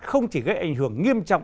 không chỉ gây ảnh hưởng nghiêm trọng